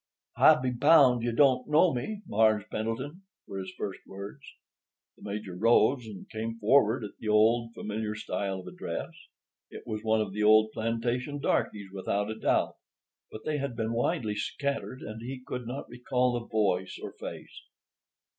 "I be bound you don't know me, Mars' Pendleton," were his first words. The Major rose and came forward at the old, familiar style of address. It was one of the old plantation darkeys without a doubt; but they had been widely scattered, and he could not recall the voice or face.